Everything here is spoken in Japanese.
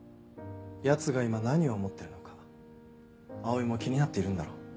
ヤツが今何を思ってるのか葵も気になっているんだろう。